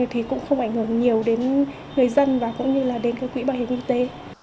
thì cũng không ảnh hưởng nhiều đến người dân và cũng như là đến cái quỹ bảo hiểm y tế